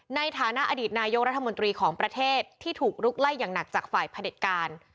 ในฐานะอดีตนายกรัฐมนตรีของประเทศที่ถูกลุกไล่อย่างหนักจากฝ่ายผลิตการ